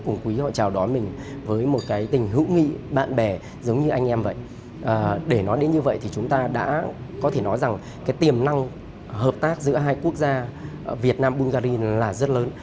nói đến như vậy thì chúng ta đã có thể nói rằng tiềm năng hợp tác giữa hai quốc gia việt nam bungary là rất lớn